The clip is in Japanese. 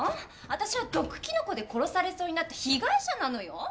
私は毒キノコで殺されそうになった被害者なのよ！